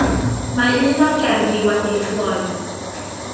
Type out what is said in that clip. Mae un o'r gerddi wedi'i chloi.